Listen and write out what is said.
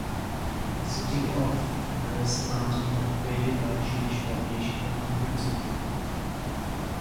The city of Recanati had a fairly large Jewish population for hundreds of years.